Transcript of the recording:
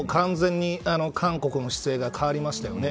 完全に韓国の姿勢が変わりましたよね。